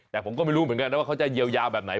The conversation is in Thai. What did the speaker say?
แต่ผมก็ไม่รู้เหมือนกันนะว่าเขาจะเยียวยาแบบไหน